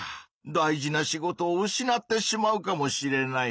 大事な仕事を失ってしまうかもしれない。